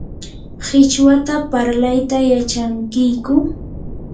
¿qichwata parlayta yachankiyku?